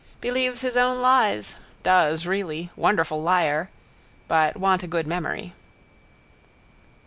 Believes his own lies. Does really. Wonderful liar. But want a good memory.